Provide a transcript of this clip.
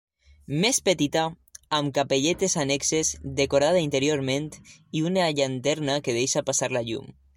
Més petita, amb capelletes annexes, decorada interiorment i una llanterna que deixa passar la llum.